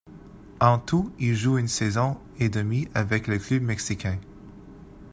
En tout, il joue une saison et demie avec le club Mexicain.